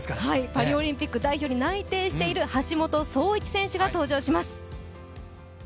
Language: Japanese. パリオリンピック代表に内定している橋本壮市選手が登場します。